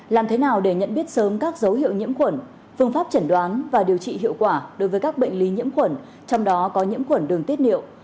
làm thế nào để nhận biết sớm các dấu hiệu nhiễm khuẩn phương pháp chẩn đoán và điều trị hiệu quả đối với các bệnh lý nhiễm khuẩn trong đó có nhiễm khuẩn đường tiết niệu